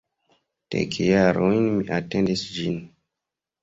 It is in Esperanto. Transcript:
Dek jarojn mi atendis ĝin!